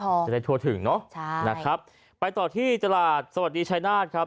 ก็จะได้ทั่วถึงนะนะครับไปต่อที่จติสวัสดีชายนาศณ์ครับ